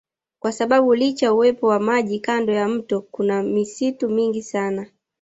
Kwa sababu licha uwepo wa maji kando ya mto kuna misitu mingi sana